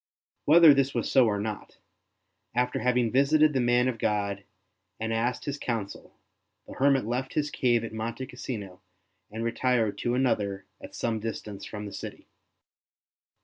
Whether this was so or not, after having visited the man of God and asked his counsel, the hermit left his cave at Monte Cassino and retired to another at some distance from the city.